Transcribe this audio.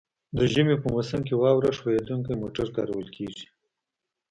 د ژمي په موسم کې واوره ښوییدونکي موټر کارول کیږي